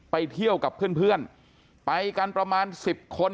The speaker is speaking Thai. ไปเที่ยวกับเพื่อนไปกันประมาณ๑๐คน